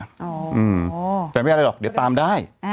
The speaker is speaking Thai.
แต่ไม่ใช่ว่าอะไรหรอกเดี๋ยวตามได้